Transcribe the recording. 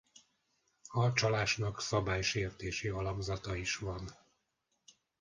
A csalásnak szabálysértési alakzata is van.